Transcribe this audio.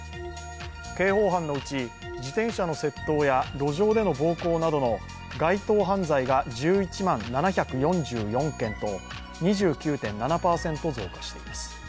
刑法犯のうち、自転車の窃盗や路上での暴行などの街頭犯罪が１１万７４４件と２９．７％増加しています。